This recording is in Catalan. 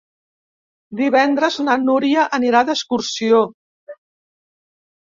Divendres na Núria anirà d'excursió.